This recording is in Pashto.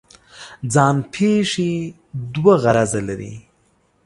ځان پېښې دوه غرضه لري.